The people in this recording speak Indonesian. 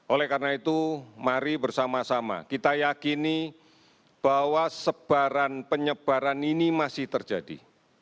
oleh karena itu mari bersama sama kita yakini bahwa sebaran penyebaran ini masih terjadi